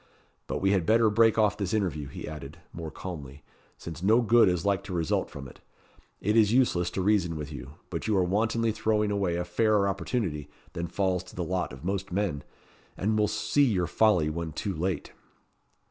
But we had better break off this interview," he added, more calmly, "since no good is like to result from it. It is useless to reason with you; but you are wantonly throwing away a fairer opportunity than falls to the lot of most men, and will see your folly when too late."